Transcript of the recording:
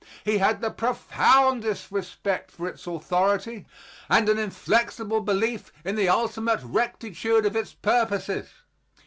He had the profoundest respect for its authority and an inflexible belief in the ultimate rectitude of its purposes.